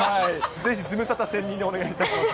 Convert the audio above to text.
ぜひズムサタ専任でお願いいたします。